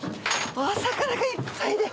お魚がいっぱいで。